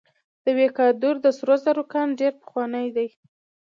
د ویکادور د سرو زرو کان ډیر پخوانی دی.